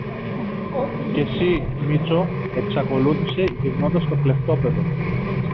Και συ, Μήτσο, εξακολούθησε γυρνώντας στο κλεφτόπαιδο